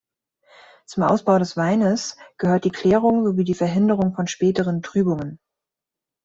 Zum Ausbau des Weines gehört die Klärung sowie die Verhinderung von späteren Trübungen.